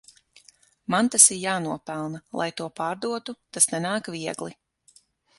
Man tas ir jānopelna lai to pārdotu, tas nenāk viegli.